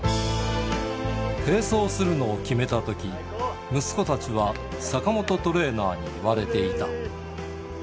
並走するのを決めたとき、息子たちは坂本トレーナーに言われていた。